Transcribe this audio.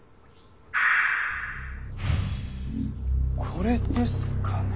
これですかね？